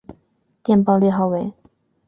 电报略号为。